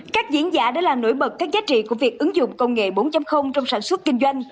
các diễn giả đã làm nổi bật các giá trị của việc ứng dụng công nghệ bốn trong sản xuất kinh doanh